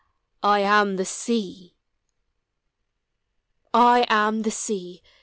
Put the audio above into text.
I am the Sea! I am the Sea.